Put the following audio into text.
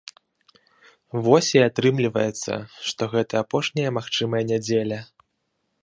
Вось і атрымліваецца, што гэта апошняя магчымая нядзеля.